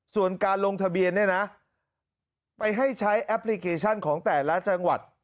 ส่วนการลงทะเบียนเนี่ยนะไปให้ใช้แอปพลิเคชันของแต่ละจังหวัด